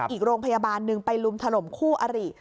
อีกโรงพยาบาลหนึ่งไปลุมถล่มคู่อริ